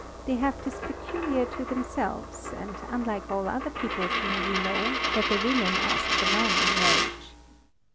They have this peculiar to themselves, and unlike all other peoples whom we know, that the woman asks the man in marriage.